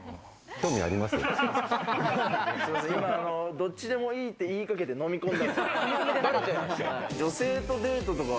どっちでもいいって言いかけて、のみ込んだ。